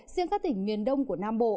riêng các tỉnh miền đông của nam bộ